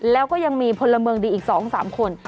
แล้วก็ยังมีพลเมืองดีอีก๒๓คน